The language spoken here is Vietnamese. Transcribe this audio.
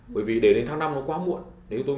bởi vì đến tháng năm nó quá muộn